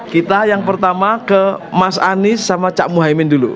kita yang pertama ke mas anies sama cak muhaymin dulu